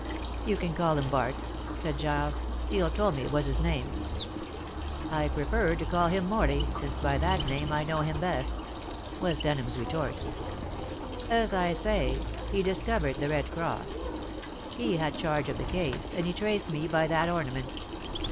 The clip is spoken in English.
"You can call him Bart," said Giles. "Steel told me it was his name." "I prefer to call him Morley, since by that name I know him best," was Denham's retort. "As I say, he discovered the red cross. He had charge of the case, and he traced me by that ornament.